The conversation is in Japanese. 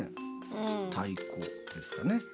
太鼓ですかね。